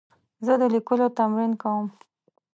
زه د لیکلو تمرین کوم.